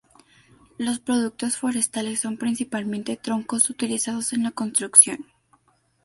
Los productos forestales son principalmente troncos utilizados en la construcción.